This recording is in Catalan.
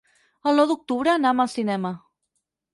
El nou d'octubre anam al cinema.